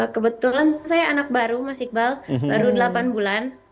kebetulan saya anak baru mas iqbal baru delapan bulan